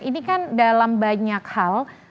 ini kan dalam banyak hal